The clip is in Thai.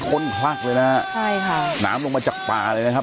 ้นคลักเลยนะฮะใช่ค่ะน้ำลงมาจากป่าเลยนะครับ